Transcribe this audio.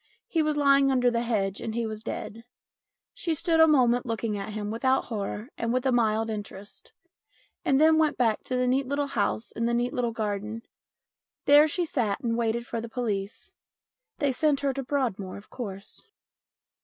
He was lying under the hedge and he was dead. She stood a moment looking at him without horror and with a mild interest, and then went back to the neat little house in the neat little garden. There she sat and waited for the police. They sent her to Broadmoor, of course.